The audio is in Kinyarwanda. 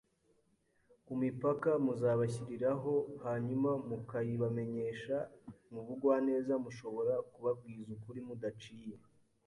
ku mipaka muzabashyiriraho hanyuma mukayibamenyesha mu bugwaneza Mushobora kubabwiza ukuri mudaciye